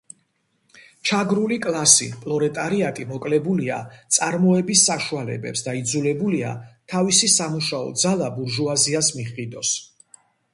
ჩაგრული კლასი, პროლეტარიატი მოკლებულია წარმოების საშუალებებს და იძულებულია თავისი სამუშაო ძალა ბურჟუაზიას მიჰყიდოს.